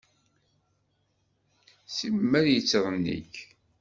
Simmal yettṛennik.